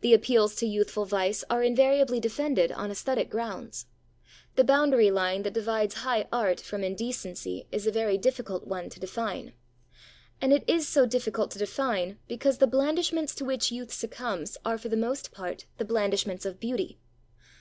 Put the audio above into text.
The appeals to youthful vice are invariably defended on aesthetic grounds. The boundary line that divides high art from indecency is a very difficult one to define. And it is so difficult to define because the blandishments to which youth succumbs are for the most part the blandishments of beauty.